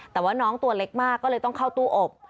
แต่ว่าน้องตัวเล็กมากก็เลยต้องเข้าตู้อบ